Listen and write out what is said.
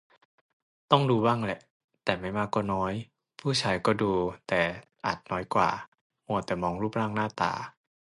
ต้องดูบ้างแหละ แต่ไม่มากก็น้อย ผู้ชายก็ดู แต่อาจน้อยกว่า มัวแต่มองรูปร่างหน้าตา